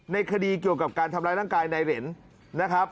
ในคดีเกี่ยวกับการทำร้ายร่างกายนายเหรนนะครับ